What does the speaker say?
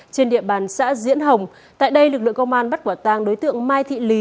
trên địa bàn xã diễn hồng tại đây lực lượng công an bắt quả tang đối tượng mai thị lý